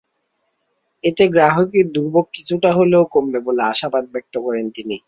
এতে গ্রাহকের দুর্ভোগ কিছুটা হলেও কমবে বলে আশাবাদ ব্যক্ত করেন তিনি।